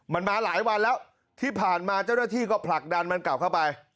มันมาหลายวันแล้วที่ผ่านมาเจ้าหน้าที่ก็ผลักดันมันกลับเข้าไป